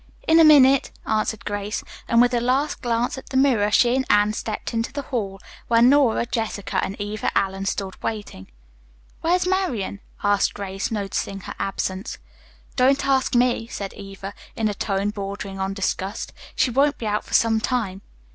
"In a minute," answered Grace, and with a last glance at the mirror she and Anne stepped into the hall, where Nora, Jessica and Eva Allen stood waiting. "Where's Marian?" asked Grace, noticing her absence. "Don't ask me," said Eva, in a tone bordering on disgust. "She won't be out for some time."